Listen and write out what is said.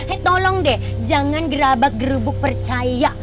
eh tolong deh jangan gerabak gerubuk percaya